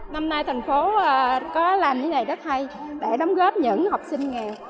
năm nay thành phố có làm những gì này rất hay để đóng góp những học sinh nghèo